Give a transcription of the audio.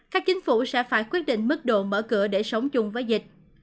các chính phủ sẽ phải quyết định mức độ mở cửa để sống chung với dịch